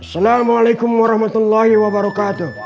assalamualaikum warahmatullahi wabarakatuh